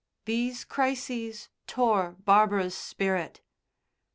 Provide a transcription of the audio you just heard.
These crises tore Barbara's spirit.